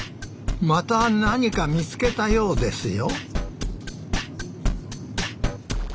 また何か見つけたようですよ